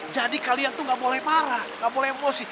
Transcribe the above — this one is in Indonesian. jadi kalian tuh gak boleh marah gak boleh emosi